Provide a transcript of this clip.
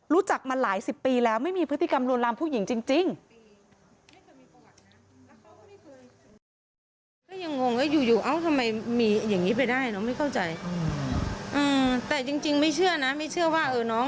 รู้จักมาหลายสิบปีแล้วไม่มีพฤติกรรมลวนลามผู้หญิงจริง